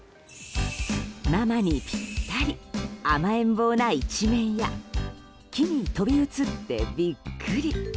ママにぴったり甘えん坊な一面や木に飛び移ってびっくり。